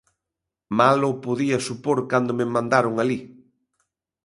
Mal o podía supor cando me mandaron alí.